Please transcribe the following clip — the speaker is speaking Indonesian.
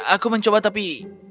aku mencoba tapi